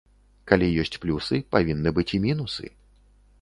Калі ёсць плюсы, павінны быць і мінусы.